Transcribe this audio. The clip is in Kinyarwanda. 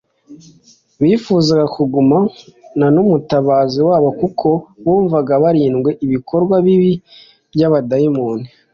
Bifuzaga kugumana n'umutabazi wabo kuko bumvaga barinzwe ibikorwa bibi by'abadayimoni